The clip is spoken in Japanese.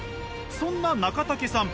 そんな中武さん